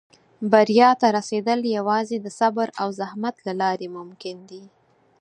• بریا ته رسېدل یوازې د صبر او زحمت له لارې ممکن دي.